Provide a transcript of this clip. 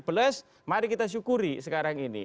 plus mari kita syukuri sekarang ini